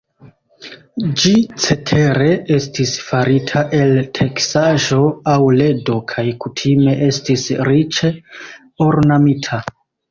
Ĝi cetere estis farita el teksaĵo aŭ ledo kaj kutime estis riĉe ornamita.